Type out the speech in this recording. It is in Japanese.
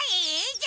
じゃ。